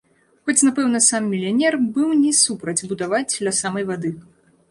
Хоць, напэўна, сам мільянер быў бы не супраць будаваць ля самай вады.